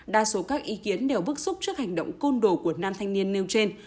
đa số các ý kiến đều bức xúc trước hành động côn đồ của nam thanh niên nêu trên